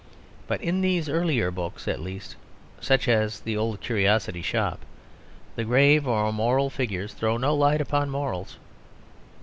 But in these earlier books at least, such as The Old Curiosity Shop, the grave or moral figures throw no light upon morals.